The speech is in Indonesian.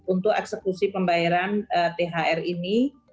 untuk eksekusi pembayaran thr ini